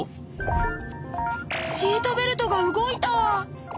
シートベルトが動いた！